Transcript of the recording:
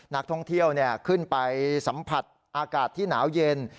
นักท่องเที่ยวขึ้นไปสัมผัสอากาศที่หนาวเย็น